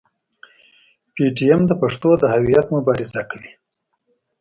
پي ټي ایم د پښتنو د هویت مبارزه کوي.